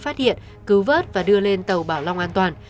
phát hiện cứu vớt và đưa lên tàu bảo long an toàn